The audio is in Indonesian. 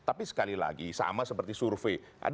tapi sekali lagi sama seperti survei